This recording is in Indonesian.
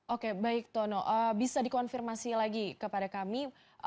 oke baik tono bisa dikonfirmasi lagi kepada kami